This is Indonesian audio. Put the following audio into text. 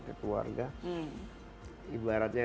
ke keluarga ibaratnya